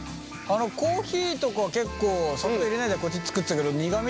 コーヒーとか結構砂糖入れないでこっち作ってたけど苦みとかどう？